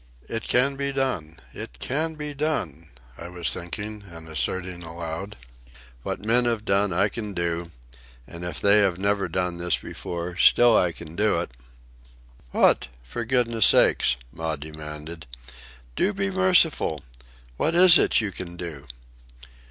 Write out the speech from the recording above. "It can be done, it can be done," I was thinking and asserting aloud. "What men have done, I can do; and if they have never done this before, still I can do it." "What? for goodness' sake," Maud demanded. "Do be merciful. What is it you can do?"